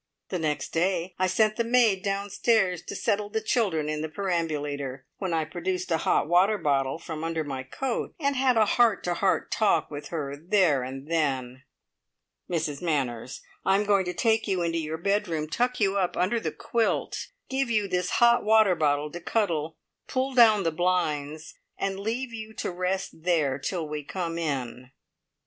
The next day I sent the maid downstairs to settle the children in the perambulator, when I produced a hot water bottle from under my coat, and had a heart to heart talk with her there and then. "Mrs Manners, I am going to take you into your bedroom, tuck you up under the quilt, give you this hot water bottle to cuddle, pull down the blinds, and leave you to rest there till we come in."